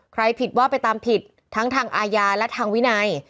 ผิดว่าไปตามผิดทั้งทางอาญาและทางวินัย